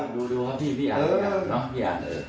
ดูพี่อ่านเลย